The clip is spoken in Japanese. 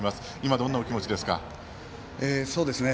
どんなお気持ちですか。